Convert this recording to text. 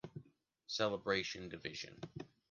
Celebration division.